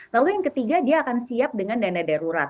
lalu yang ketiga dia akan siap dengan dana darurat